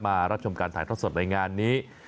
รับชมการถ่ายทอดสดในงานนี้